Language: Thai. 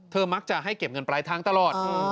มักจะให้เก็บเงินปลายทางตลอด